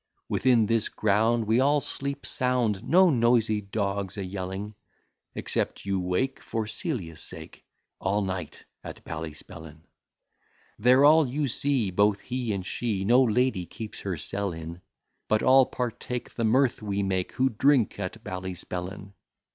Within this ground we all sleep sound, No noisy dogs a yelling; Except you wake, for Celia's sake, All night at Ballyspellin. There all you see, both he and she, No lady keeps her cell in; But all partake the mirth we make, Who drink at Ballyspellin.